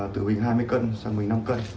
từ bình hai mươi kg sang bình năm kg